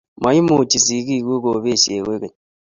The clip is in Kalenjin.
Maimuchi sigikuk kobesyech koigeny